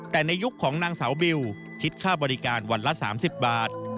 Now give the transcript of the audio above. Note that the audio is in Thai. แต่ในยุคของนางสาวบิวคิดค่าบริการวันละ๓๐บาท